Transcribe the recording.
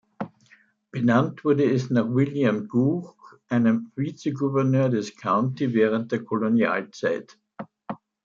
Benannt wurde es nach William Gooch, einem Vizegouverneur des County während der Kolonialzeit.